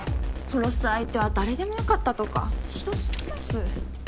殺す相手は誰でもよかったとか酷すぎます。